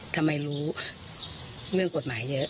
ทำไมรู้เรื่องกฎหมายเยอะ